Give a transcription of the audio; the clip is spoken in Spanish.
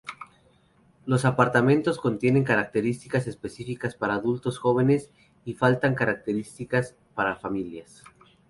Los apartamentos contienen características específicas para adultos jóvenes y faltan características para familias.